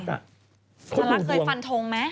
รักเคยฟันทงไหม